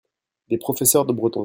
des professeurs de breton.